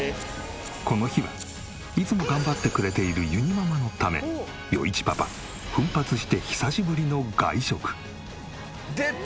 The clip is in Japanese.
この日はいつも頑張ってくれているゆにママのため余一パパ奮発して久しぶりの外食。出た！